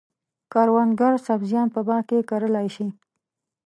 کروندګر سبزیان په باغ کې کرلای شي.